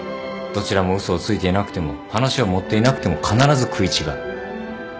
どちらも嘘をついていなくても話を盛っていなくても必ず食い違う。